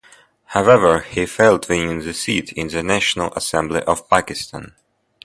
However he failed winning the seat in the National Assembly of Pakistan.